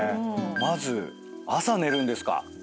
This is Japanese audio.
まず朝寝るんですか？